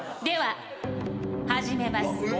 では始めます。